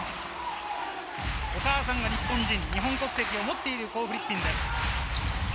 お母さんが日本人、日本国籍を持っているコー・フリッピンです。